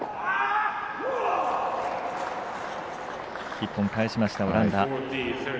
１本、返しましたオランダ。